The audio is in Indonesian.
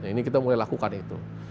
ini kita mulai lakukan itu